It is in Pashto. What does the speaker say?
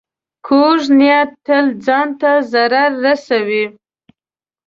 کوږ نیت تل ځان ته ضرر رسوي